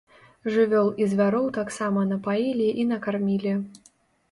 Жывёл і звяроў таксама напаілі і накармілі.